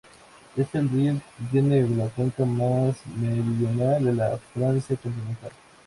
Es el río que tiene la cuenca más meridional de la Francia continental.